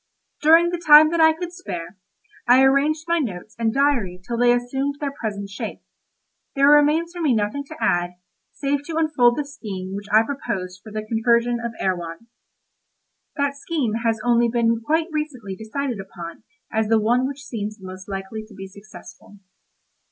During the time that I could spare, I arranged my notes and diary till they assumed their present shape. There remains nothing for me to add, save to unfold the scheme which I propose for the conversion of Erewhon. That scheme has only been quite recently decided upon as the one which seems most likely to be successful.